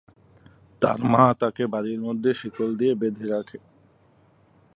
তার মা তাকে বাড়ির মধ্যে শিকল দিয়ে বেঁধে রাখে।